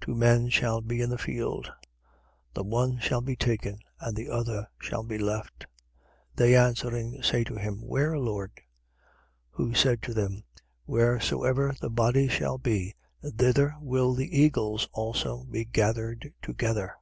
Two men shall be in the field. The one shall be taken and the other shall be left. 17:36. They answering, say to him: Where, Lord? 17:37. Who said to them: Wheresoever the body shall be, thither will the eagles also be gathered together.